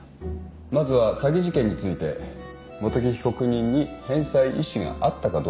まずは詐欺事件について元木被告人に返済意思があったかどうか。